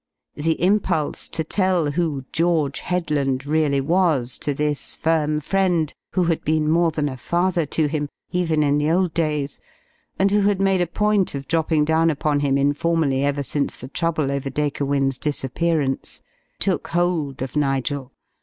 The impulse to tell who "George Headland" really was to this firm friend who had been more than a father to him, even in the old days, and who had made a point of dropping down upon him, informally, ever since the trouble over Dacre Wynne's disappearance, took hold of Nigel.